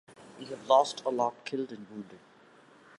We have lost a lot killed and wounded.